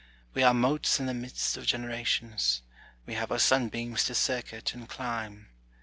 We are motes in the midst of generations : we have our sunbeams to circuit and climb.